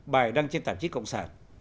bài đăng trên tạp chức cộng sản